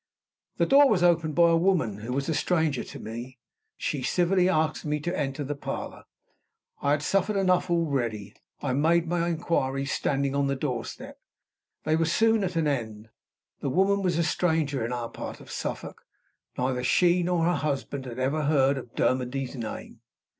The door was opened by a woman who was a stranger to me. She civilly asked me to enter the parlor. I had suffered enough already; I made my inquiries, standing on the doorstep. They were soon at an end. The woman was a stranger in our part of Suffolk; neither she nor her husband had ever heard of Dermody's name.